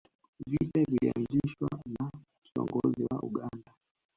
vita vilianzishwa na kiongozin wa uganda